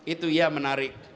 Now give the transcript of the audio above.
itu iya menarik